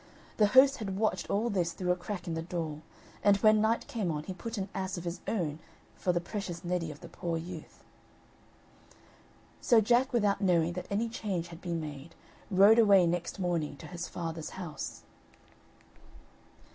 The host had watched all this through a crack in the door, and when night came on he put an ass of his own for the precious Neddy of the poor youth. So Jack without knowing that any change had been made, rode away next morning to his father's house.